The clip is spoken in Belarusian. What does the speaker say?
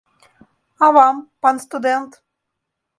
А вам, пан студэнт?